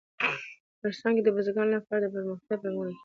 افغانستان کې د بزګان لپاره دپرمختیا پروګرامونه شته.